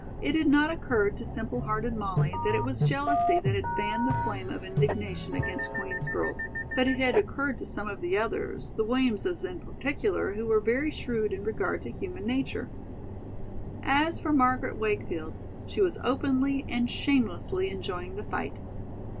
It had not occurred to simple hearted Molly that it was jealousy that had fanned the flame of indignation against Queen's girls, but it had occurred to some of the others, the Williamses in particular, who were very shrewd in regard to human nature. As for Margaret Wakefield, she was openly and shamelessly enjoying the fight.